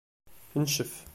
Ncef.